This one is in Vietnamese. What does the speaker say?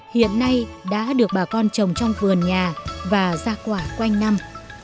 hiện nay đã được bà con trồng trong vườn nhà và ra quả quanh năm